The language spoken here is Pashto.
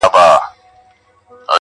پر اغزیو راته اوښ وهي رمباړي،